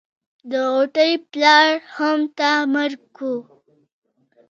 د غوټۍ پلار هم تا مړ کو.